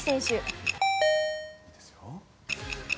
いいですよ。